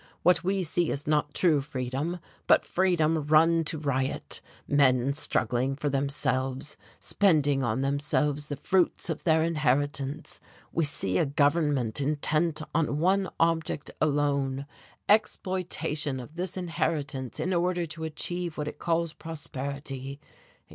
What we see is not true freedom, but freedom run to riot, men struggling for themselves, spending on themselves the fruits of their inheritance; we see a government intent on one object alone exploitation of this inheritance in order to achieve what it calls prosperity.